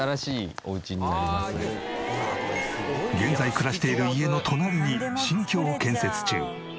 現在暮らしている家の隣に新居を建設中。